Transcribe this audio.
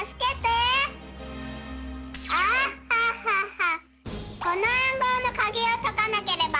「アハッハッハッ！」。